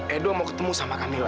edo mau ketemu sama kanila